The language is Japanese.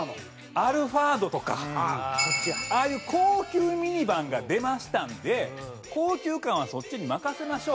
アルファードとかああいう高級ミニバンが出ましたんで高級感はそっちに任せましょう。